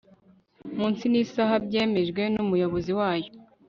munsi n isaha byemejwe n umuyobozi wayo